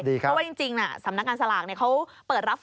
เพราะว่าจริงสำนักงานสลากเขาเปิดรับ